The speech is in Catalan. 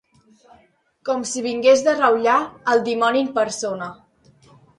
Com si vingués de reüllar el dimoni en persona.